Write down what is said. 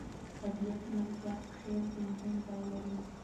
طبیعت د ملکیار په شعر کې مهم ځای لري.